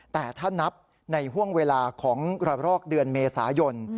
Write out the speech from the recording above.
แต่ถ้านับในห่วงเวลาของระรอกเดือนเมษายน